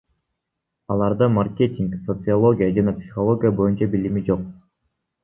Аларда маркетинг, социология жана психология боюнча билими жок.